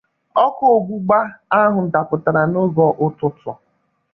ọkụ ọgbụgba ahụ dapụtara n'oge ụtụtụ